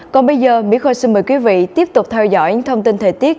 còn bây giờ mỹ khôi xin mời quý vị tiếp tục theo dõi những thông tin thời tiết